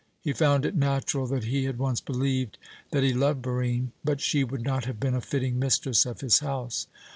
He found it natural that he had once believed that he loved Barine; but she would not have been a fitting mistress of his house.